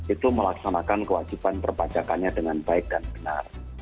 itu melaksanakan kewajiban perpajakannya dengan baik dan benar